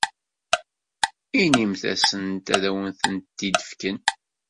Inimt-asen ad awent-ten-id-fken.